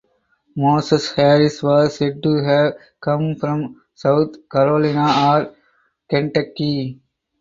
Moses Harris was said to have come from South Carolina or Kentucky.